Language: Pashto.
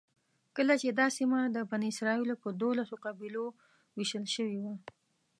کله چې دا سیمه د بني اسرایلو په دولسو قبیلو وېشل شوې وه.